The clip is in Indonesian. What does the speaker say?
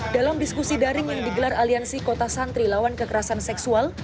dalam diskusi daring yang digelar aliansi kota santri lawan kekerasan seksual